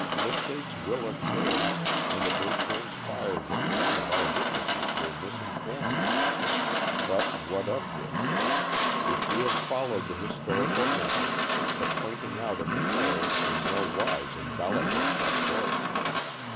Mistakes will occur, and it may transpire that some of our witnesses were misinformed. But what of this? If we have followed the historical method, the pointing out of an error in no wise invalidates our book.